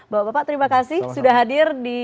bapak bapak terima kasih sudah hadir di